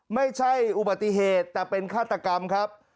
ไม่ใช่อุบัติเหตุแต่เป็นฆาตกรรมครับ